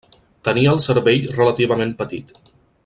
Tenia el cervell relativament petit.